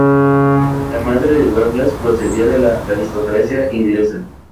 La madre de Douglas procedía de la aristocracia inglesa.